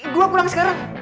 gua pulang sekarang